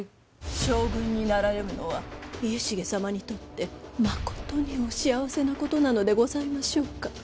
将軍になられるのは家重様にとってまことにお幸せなことなのでございましょうか？